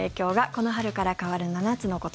この春から変わる７つのこと。